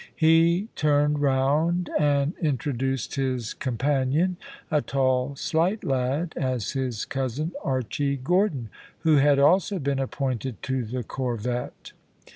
He turned round and introduced his companion, a tall, slight lad, as his cousin Archy Gordon, who had also been appointed to the corvette.